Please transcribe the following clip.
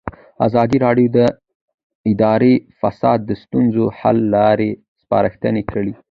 ازادي راډیو د اداري فساد د ستونزو حل لارې سپارښتنې کړي.